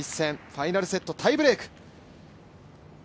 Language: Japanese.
ファイナルセット、タイブレーク。